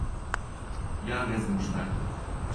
Ја не знам шта је то.